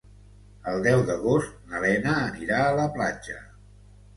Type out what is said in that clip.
El deu d'agost na Lena anirà a la platja.